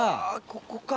ここか。